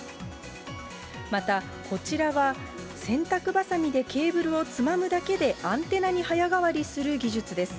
また、こちらは洗濯ばさみでケーブルをつまむだけで、アンテナに早変わりする技術です。